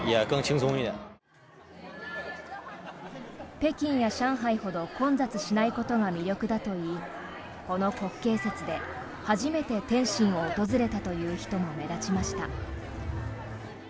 北京や上海ほど混雑しないことが魅力だといいこの国慶節で初めて天津を訪れたという人も目立ちました。